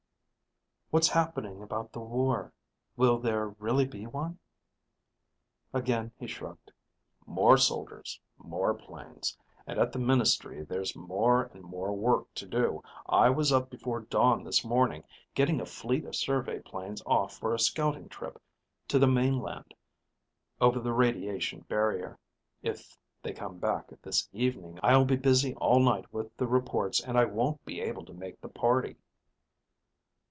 "What's happening about the war? Will there really be one?" Again he shrugged. "More soldiers, more planes, and at the Ministry there's more and more work to do. I was up before dawn this morning getting a fleet of survey planes off for a scouting trip to the mainland over the radiation barrier. If they come back this evening, I'll be busy all night with the reports and I won't be able to make the party.